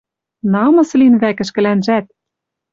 Намыс лин вӓк ӹшкӹлӓнжӓт.